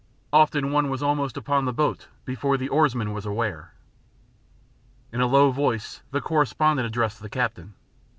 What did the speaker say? Often one was almost upon the boat before the oarsman was aware. In a low voice the correspondent addressed the captain.